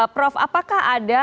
prof apakah ada